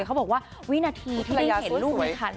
เขาบอกว่าวินาทีที่ได้เห็นลูกในคัน